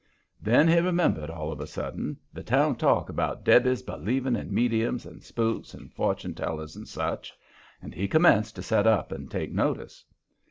Then he remembered, all of a sudden, the town talk about Debby's believing in mediums and spooks and fortune tellers and such. And he commenced to set up and take notice.